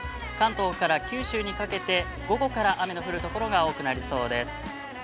関東から九州にかけて午後から雨の降るところが多くなりそうです。